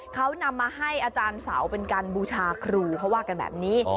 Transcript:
เขานำมาให้อาจารย์เสาเป็นการบูชาครูเขาว่ากันแบบนี้